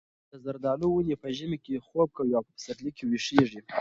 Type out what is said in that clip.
د زردالو ونې په ژمي کې خوب کوي او په پسرلي کې ویښېږي.